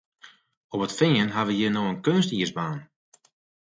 Op it Fean ha we hjir no in keunstiisbaan.